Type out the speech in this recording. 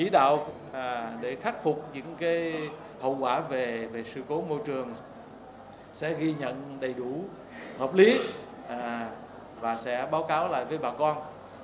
để khắc phục những hậu quả về sự cố môi trường sẽ ghi nhận đầy đủ hợp lý và sẽ báo cáo lại với bà con